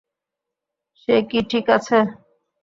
সে কি ঠিক আছে?